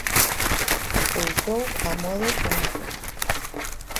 Pousou a modo unha foto.